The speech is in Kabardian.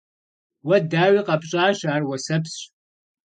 Уэ, дауи, къэпщӀащ — ар уэсэпсщ.